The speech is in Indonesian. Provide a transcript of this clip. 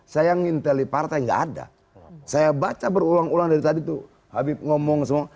saya yang nginteli partai nggak ada saya baca berulang ulang dari tadi tuh habib ngomong semua